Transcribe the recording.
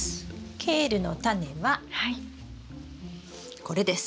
ケールのタネはこれです。